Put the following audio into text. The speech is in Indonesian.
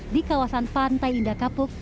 di kawasan pantai indah kapuk